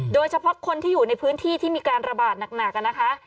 โดยเฉพาะคนที่อยู่ในพื้นที่ที่มีการระบาดหนักนะคะ